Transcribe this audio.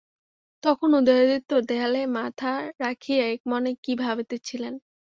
তখন উদয়াদিত্য দেয়ালে মাথা রাখিয়া একমনে কী ভাবিতেছিলেন।